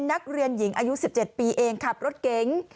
นักเรียนหญิงอายุ๑๗ปีเองขับรถเก๋ง